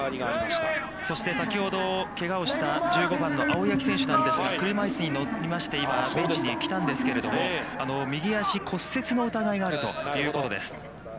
◆そして先ほどけがをした１５番の青柳選手なんですが、車椅子に乗りまして今ベンチに来たんですけれども右足骨折の疑いがあるということです。